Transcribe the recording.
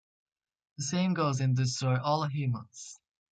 The same goes in Destroy All Humans!